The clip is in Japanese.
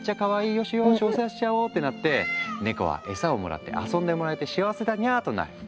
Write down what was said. よしよしお世話しちゃおう」ってなってネコはエサをもらって遊んでもらえて幸せだにゃとなる。